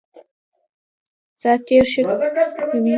سات تېری کوي.